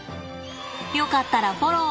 よかったらフォロー。